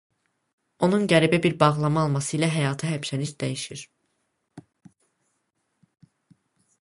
Onun qəribə bir bağlama alması ilə həyatı həmişəlik dəyişir.